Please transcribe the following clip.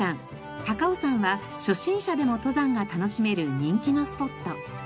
高尾山は初心者でも登山が楽しめる人気のスポット。